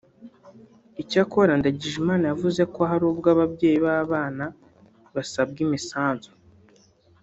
Icyakora Ndagijimana yavuze ko hari ubwo ababyeyi b’abana basabwa imisanzu